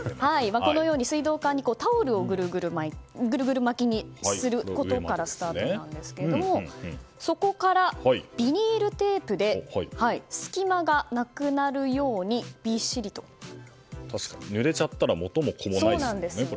このように水道管にタオルをぐるぐる巻きにすることからスタートなんですけどもそこからビニールテープで隙間がなくなるようにぬれちゃったら元も子もないですもんね。